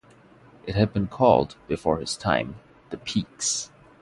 It had been called, before his time, the Peaks.